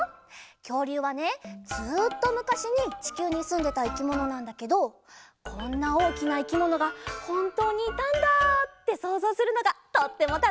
きょうりゅうはねずっとむかしにちきゅうにすんでたいきものなんだけどこんなおおきないきものがほんとうにいたんだってそうぞうするのがとってもたのしいんだ！